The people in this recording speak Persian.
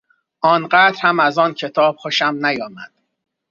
آنقدر هم از آن کتاب خوشم نیامد.